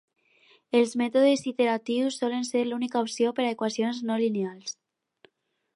Els mètodes iteratius solen ser l'única opció per a equacions no lineals.